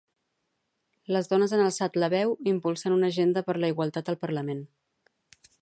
Les dones han alçat la veu, impulsant una agenda per la igualtat al Parlament.